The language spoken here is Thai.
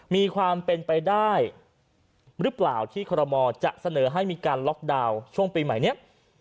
มีความเป็นไปได้หรือเปล่าที่คอรมอลจะเสนอให้มีการล็อกดาวน์ช่วงปีใหม่นี้